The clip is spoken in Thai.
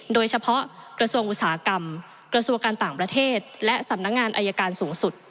โดยเฉพาะกระทรวงอุตสาหกรรมกระทรวงการต่างประเทศและสำนักงานอายการสูงสุด